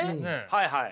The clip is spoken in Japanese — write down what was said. はいはい。